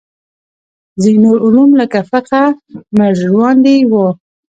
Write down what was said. ځینې نور علوم لکه فقه مړژواندي وو.